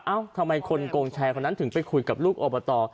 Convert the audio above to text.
ทำไมคนโกงแชร์คนนั้นถึงไปคุยกับลูกอบต